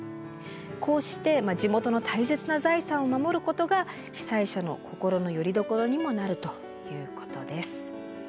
こうして地元の大切な財産を守ることが被災者の心のよりどころにもなるということです。